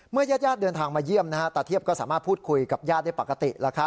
ญาติเดินทางมาเยี่ยมตาเทียบก็สามารถพูดคุยกับญาติได้ปกติ